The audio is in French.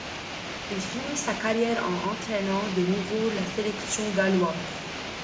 Il finit sa carrière en entraînant de nouveau la sélection galloise.